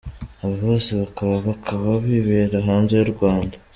Aba bose bakaba bakaba bibera hanze y’u Rwanda.